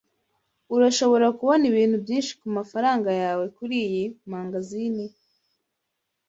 Urashobora kubona ibintu byinshi kumafaranga yawe kuriyi mangazini